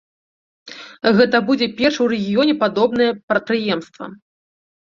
Гэта будзе першае ў рэгіёне падобнае прадпрыемства.